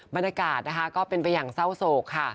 บรรยากาศนะคะก็เป็นไปอย่างเศร้าโศกค่ะ